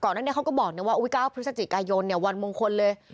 ก่อนนั้นเนี่ยเขาก็บอกเนี่ยว่าอุ้ยก้าวพิษจิกายนเนี่ยวันมงคลเลย